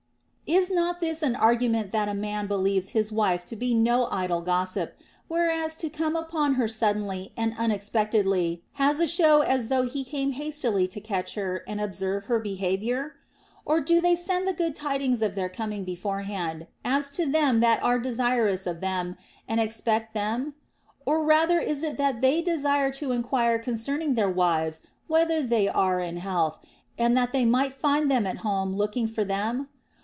Is not this an argument that a man believes his wife to be no idle gossip, whereas to come upon her suddenly and unexpectedly has a show as though he came hastily to catch her and observe her behavior? Or do they send the good tidings of their coming beforehand, as to them that are desirous of them and expect them ? Or rather is it that they desire to enquire concerning their wives whether they are in health, and that they may find them at home looking for them